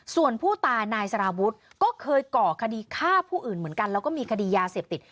ส่วนผู้ตายนายสารวุฒิก็เคยก่อคดีฆ่าผู้อื่นเหมือนกันแล้วก็มีคดียาเสพติด